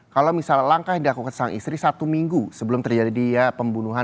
kalau misalnya langkah yang dilakukan sang istri satu minggu sebelum terjadi dia pembunuhan